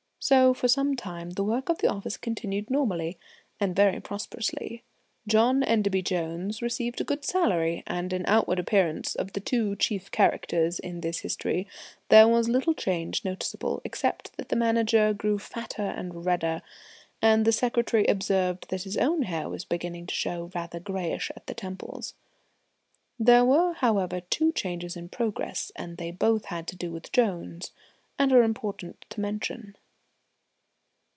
So for some time the work of the office continued normally and very prosperously. John Enderby Jones received a good salary, and in the outward appearance of the two chief characters in this history there was little change noticeable, except that the Manager grew fatter and redder, and the secretary observed that his own hair was beginning to show rather greyish at the temples. There were, however, two changes in progress, and they both had to do with Jones, and are important to mention.